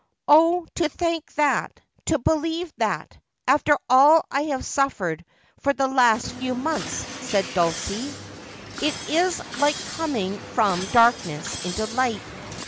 ' Oh, to think that, to believe that, after all I have suffered for the last few months,' said Dulcie. ' It is like coming from darkness into light.'